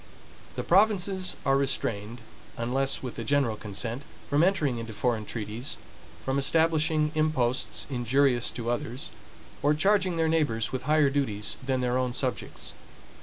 The provinces are restrained, unless with the general consent, from entering into foreign treaties; from establishing imposts injurious to others, or charging their neighbors with higher duties than their own subjects.